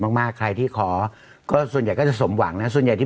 มากมากใครที่ขอก็ส่วนใหญ่ก็จะสมหวังนะส่วนใหญ่ที่